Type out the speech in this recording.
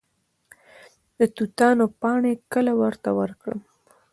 د توتانو پاڼې کله ورته ورکړم؟